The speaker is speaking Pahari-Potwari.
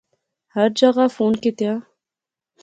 ہر جاغا فون کیتیا